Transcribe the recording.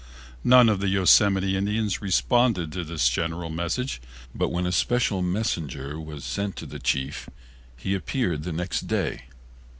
None of the Yosemite Indians responded to this general message, but when a special messenger was sent to the chief he appeared the next day.